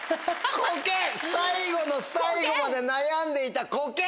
最後の最後まで悩んでいたコケ！